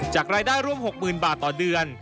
รายได้ร่วม๖๐๐๐บาทต่อเดือน